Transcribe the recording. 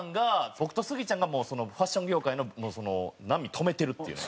僕とスギちゃんがもうファッション業界の波止めてるっていうね。